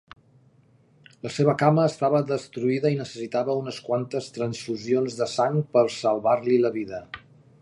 La seva cama estava destruïda i necessitava unes quantes transfusions de sang per salvar-li la vida.